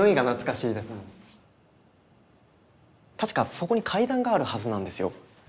確かそこに階段があるはずなんですよ。